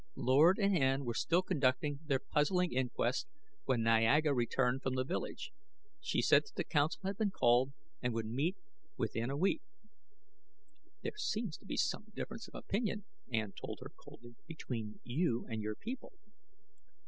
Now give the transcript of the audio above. Lord and Ann were still conducting their puzzling inquest when Niaga returned from the village. She said that the council had been called and would meet within a week. "There seems to be some difference of opinion," Ann told her coldly, "between you and your people."